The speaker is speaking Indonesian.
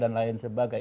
dan lain sebagainya